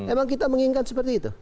emang kita mengingat seperti itu